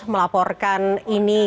melaporkan ini ke pbi